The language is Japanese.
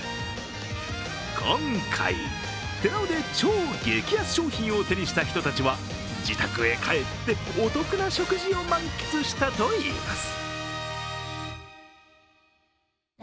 今回、てらおで超激安商品を手にした人たちは自宅へ帰って、お得な食事を満喫したといいます。